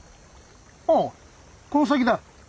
ああこの先だ。